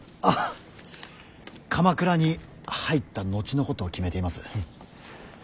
あっ鎌倉に入った後のことを決めています。